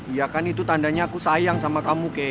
iya kan itu tandanya aku sayang sama kamu kei